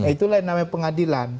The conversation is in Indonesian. itulah yang namanya pengadilan